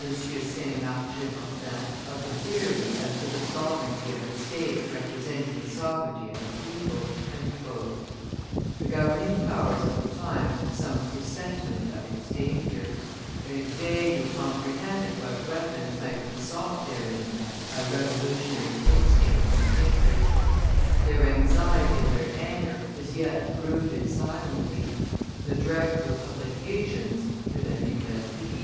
Saint Marc Girardin, "of the theory as to the sovereignty of the state representing the sovereignty of the people." The governing powers of the time had some presentiment of its danger; they had vaguely comprehended what weapons might be sought therein by revolutionary instincts and interests; their anxiety and their anger as yet brooded silently; the director of publications (de la librairie), M.